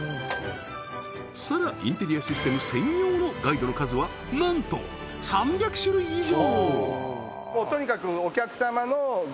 サラインテリアシステム専用のガイドの数はなんと３００種類以上！